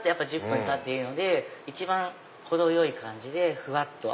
１０分たっているので一番程よい感じでふわっと。